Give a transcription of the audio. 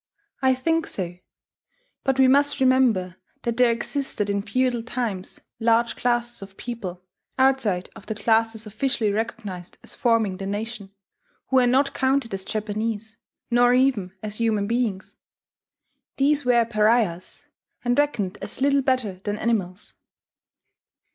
I think so but we must remember that there existed in feudal times large classes of people, outside of the classes officially recognized as forming the nation, who were not counted as Japanese, nor even as human beings: these were pariahs, and reckoned as little better than animals.